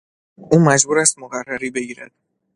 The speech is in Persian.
او مجبور است مقرری بگیرد.